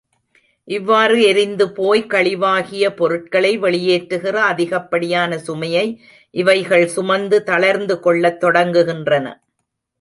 இவ்வாறு எரிந்து போய் கழிவாகிய பொருட்களை வெளியேற்றுகிற அதிகப்படியான சுமையை, இவைகள் சுமந்து தளர்ந்து கொள்ளத் தொடங்குகின்றன.